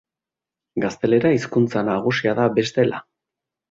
Gaztelera hizkuntza nagusia da bestela.